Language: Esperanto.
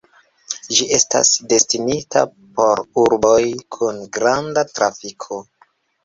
Ĝi estas destinita por urboj kun granda trafiko.